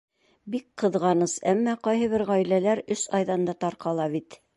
Бик ҡыҙғаныс, әммә ҡайһы бер ғаиләләр өс айҙан да тарҡала бит.